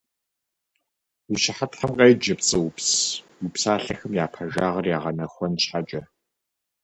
Уи щыхьэтхэм къеджэ, пцӀыупс, уи псалъэхэм я пэжагъыр ягъэнэхуэн щхьэкӀэ.